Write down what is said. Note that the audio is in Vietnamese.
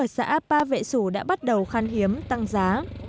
bản phí tri a của xã ba vệ sủ đã bắt đầu khăn hiếm tăng giá